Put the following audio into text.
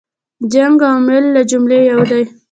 جنګ عواملو له جملې یو دی.